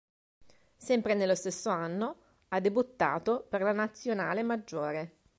Sempre nello stesso anno, ha debuttato per la Nazionale maggiore.